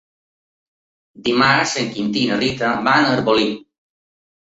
Dimarts en Quintí i na Rita van a Arbolí.